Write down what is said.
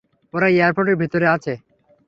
ওরা এয়ারপোর্টের ভিতরে আছে।